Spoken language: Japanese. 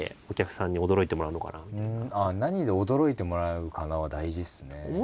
何で驚いてもらえるかなは大事っすね。